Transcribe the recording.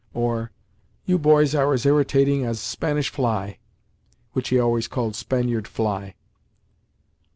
or "You boys are as irritating as Spanish fly!" (which he always called "Spaniard" fly).